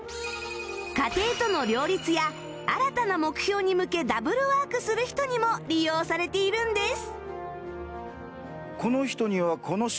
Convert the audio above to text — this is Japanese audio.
家庭との両立や新たな目標に向けダブルワークする人にも利用されているんです